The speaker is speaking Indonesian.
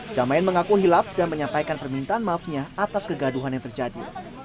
jamain mengaku hilaf dan menyampaikan permintaan maafnya atas kegaduhan yang terjadi